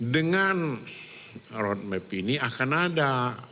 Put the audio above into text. dengan roadmap ini akan ada